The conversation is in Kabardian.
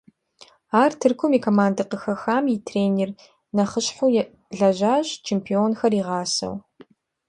Ар Тыркум и командэ къыхэхам и тренер нэхъыщхьэу лэжьащ, чемпионхэр игъасэу.